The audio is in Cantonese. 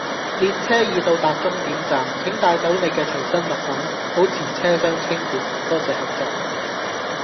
列車已到達終點站，請帶走你嘅隨身物品，保持車廂清潔，多謝合作